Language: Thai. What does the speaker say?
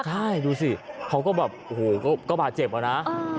ใช่ดูสิเขาก็แบบโอ้โหก็บาดเจ็บอะนะ